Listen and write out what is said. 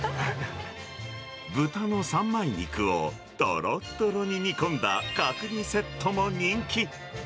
豚の三枚肉をとろとろに煮込んだ角煮セットも人気。